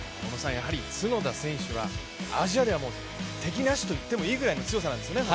角田選手はアジアでは敵なしと言ってもいいぐらいの強さなんですよね？